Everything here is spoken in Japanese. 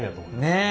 ねえ。